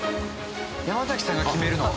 山さんが決めるの？